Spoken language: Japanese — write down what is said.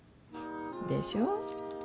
でしょ？